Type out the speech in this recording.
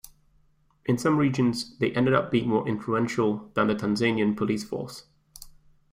In some regions they ended up being more influential than the Tanzanian Police Force.